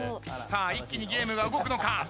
さあ一気にゲームが動くのか？